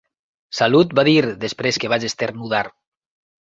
Salut, va dir, després que vaig esternudar.